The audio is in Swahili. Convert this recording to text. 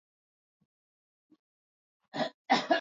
Alizaliwa mnamo tarehe sita mwezi wa pili